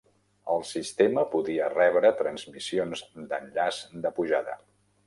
El sistema podia rebre transmissions d'enllaç de pujada.